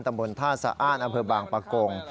ตำบลท่าสะอ้านอำเภอบางปะกง